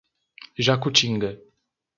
Jacutinga